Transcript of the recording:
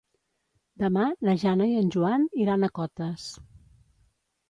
Demà na Jana i en Joan iran a Cotes.